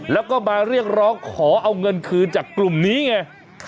แล้วก็มาเรียกร้องขอเอาเงินคืนจากกลุ่มนี้ไง